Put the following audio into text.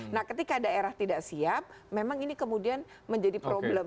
nah ketika daerah tidak siap memang ini kemudian menjadi problem